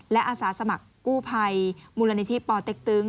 และอาสาสมัครกู้ภัยมูลนิธิปอเต็กตึง